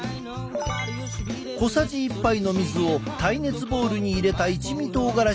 小さじ１杯の水を耐熱ボウルに入れた一味とうがらしに加える。